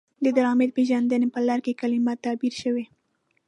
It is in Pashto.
د ډرامې د پیژندنې په لړ کې کلمه تعبیر شوې.